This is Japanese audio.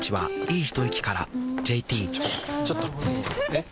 えっ⁉